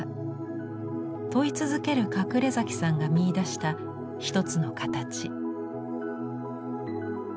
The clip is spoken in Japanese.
問い続ける隠さんが見いだした一つの形。